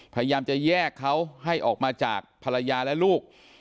พยายามจะแยกเขาให้ออกมาจากภรรยาและลูก